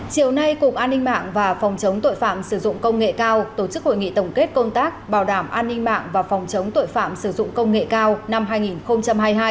chiều nay cục an ninh mạng và phòng chống tội phạm sử dụng công nghệ cao tổ chức hội nghị tổng kết công tác bảo đảm an ninh mạng và phòng chống tội phạm sử dụng công nghệ cao năm hai nghìn hai mươi hai